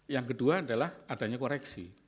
yang kedua adalah adanya koreksi